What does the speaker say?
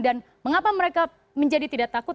mengapa mereka menjadi tidak takut